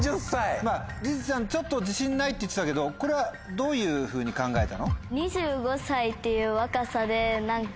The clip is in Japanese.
りづちゃんちょっと自信ないって言ってたけどこれはどういうふうに考えたの？